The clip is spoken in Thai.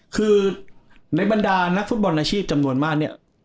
คือในบรรดานักฟุตบอลอาชีพจำนวนมากเนี่ย